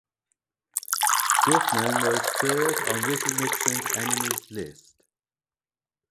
Guthman was third on Richard Nixon's Enemies List.